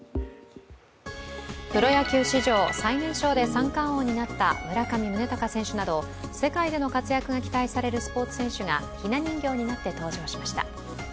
プロ野球史上最年少で三冠王になった村上宗隆選手など世界での活躍が期待されるスポーツ選手がひな人形になって登場しました。